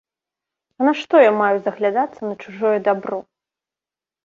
А нашто я маю заглядацца на чужое дабро?